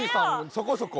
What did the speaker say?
そこそこ。